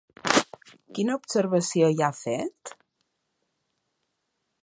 Quina observació hi ha fet?